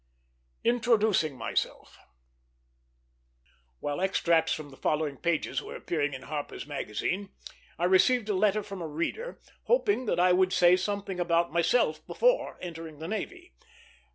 INTRODUCING MYSELF While extracts from the following pages were appearing in Harper's Magazine, I received a letter from a reader hoping that I would say something about myself before entering the navy.